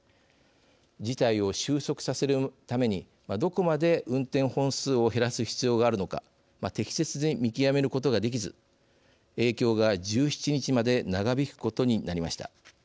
事態を収束させるためにどこまで運転本数を減らす必要があるのか適切に見極めることができず影響が１７日まで長引くことになりました。